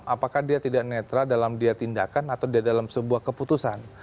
apakah dia tidak netral dalam dia tindakan atau dia dalam sebuah keputusan